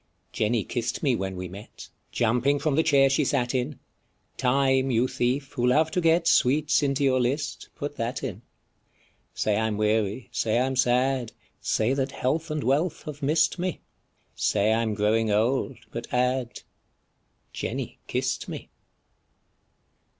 Jenny kiss'd me when we met, Jumping from the chair she sat in , Time, you thief, who love to get Sweets into your list, put that in : Say I 'm weary, say I 'm sad, Say that health and wealth have miss'd me. Say I 'm growing old, but add, Jenny kiss'd me.